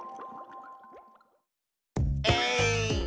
えい！